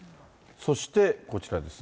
そして、こちらですね。